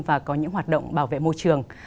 và có những hoạt động bảo vệ môi trường